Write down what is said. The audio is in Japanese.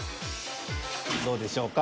どうでしょうか。